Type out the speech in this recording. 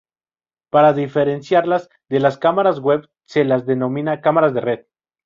Para diferenciarlas de las cámaras web se las denomina cámaras de red.